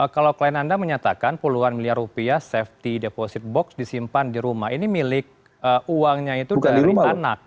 kalau klien anda menyatakan puluhan miliar rupiah safety deposit box disimpan di rumah ini milik uangnya itu dari anak